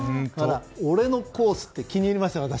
俺のコースって気に入りました私。